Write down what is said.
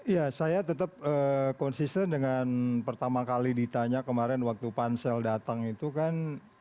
ya saya tetap konsisten dengan pertama kali ditanya kemarin waktu pansel datang itu kan